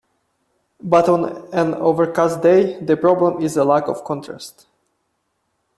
But on an overcast day the problem is a lack of contrast.